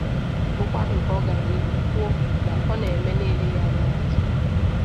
bụkwa nke ọ gara n'ihu kwuo na ọ na-eme n'eleghị anya n'azụ